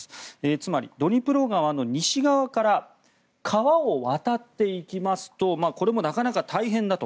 つまり、ドニプロ川の西側から川を渡っていきますとこれもなかなか大変だと。